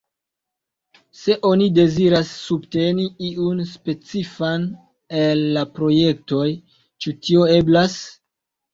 Se oni deziras subteni iun specifan el la projektoj, ĉu tio eblas?